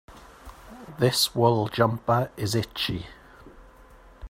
This wool jumper is itchy.